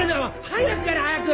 早くやれ！早く！